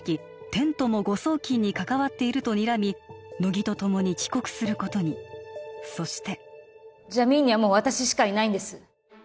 テントも誤送金に関わっているとにらみ乃木とともに帰国することにそしてジャミーンにはもう私しかいないんです